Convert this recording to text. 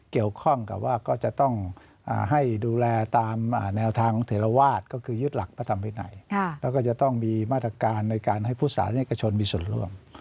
เกี่ยวข้องกับว่าก็จะต้องให้ดูแลตามแนวทางของเทรวาสก็คือยึดหลักพระธรรมวินัยแล้วก็จะต้องมีมาตรการในการให้พุทธศาสนิกชนมีส่วนร่วม